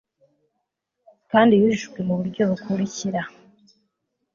kandi yujuwe ku buryo bukurikira